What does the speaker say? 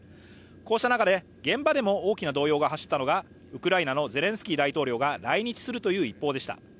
こうした中で現場でも大きな動揺が走ったのがウクライナのゼレンスキー大統領が来日するという一報でした。